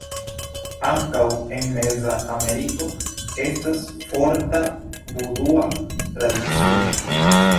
Ankaŭ en meza Ameriko estas forta vudua tradicio.